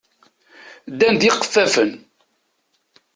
Ddan d yiqeffafen.